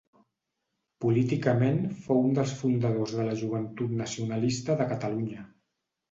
Políticament fou un dels fundadors de la Joventut Nacionalista de Catalunya.